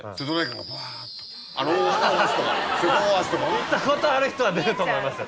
行ったことある人は出ると思います。